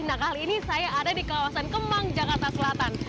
nah kali ini saya ada di kawasan kemang jakarta selatan